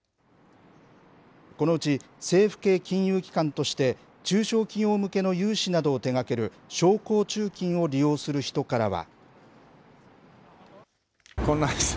このうち、政府系金融機関として、中小企業向けの融資などを手がける商工中金を利用する人からは。